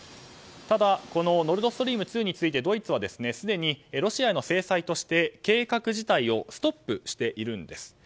ただ、このノルドストリーム２についてドイツはすでにロシアの制裁として計画自体をストップしているんです。